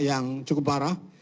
yang cukup parah